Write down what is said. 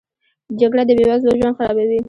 جګړه د بې وزلو ژوند خرابوي